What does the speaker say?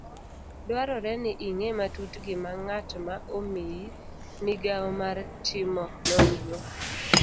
Dwarore ni ing'e matut gima ng'at ma omiyi migawo mar timo nonro